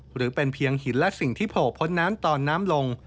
หรือเป็นเพียงหินและสิ่งที่โผล่พ้นน้ำตอนน้ำลง